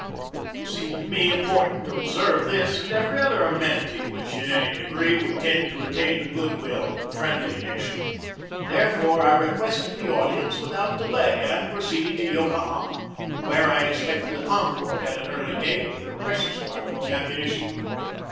It seemed to me important to observe this and every other amenity which in any degree would tend to retain the good will of a friendly na tion. Therefore, I requested the audience without delay and proceeded to Yokohama, where I expected the Concord at an early date with her precious cargo of ammunition.